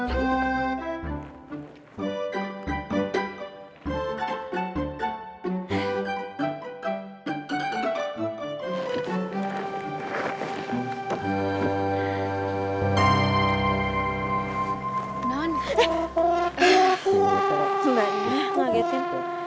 gak ada ngagetin